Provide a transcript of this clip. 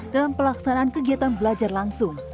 dalam pelaksanaan kegiatan belajar langsung